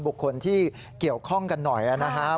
บุคคลที่เกี่ยวข้องกันหน่อยนะครับ